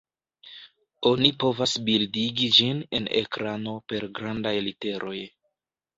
Oni povas bildigi ĝin en ekrano per grandaj literoj.